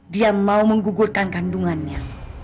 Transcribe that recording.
dia mau menggugurkan kandungannya